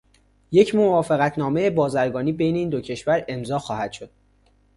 یک موافقت نامهٔ بازرگانی بین این دو کشور امضاء خواهد شد.